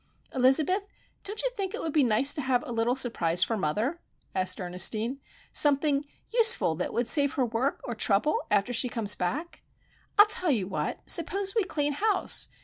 "Elizabeth, don't you think it would be nice to have a little surprise for mother?" asked Ernestine. "Something useful that would save her work or trouble, after she comes back? I'll tell you what,—suppose we clean house!